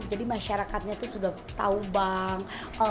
jadi masyarakatnya itu sudah tahu bank